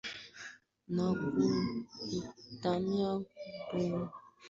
na kwa kutumia bomu mabomba hayo ambayo